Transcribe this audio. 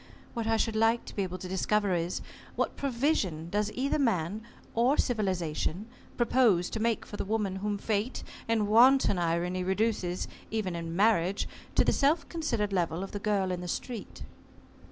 What I should like to be able to discover is what provision does either man or civilization propose to make for the woman whom Fate, in wanton irony, reduces, even in marriage, to the self considered level of the girl in the street?"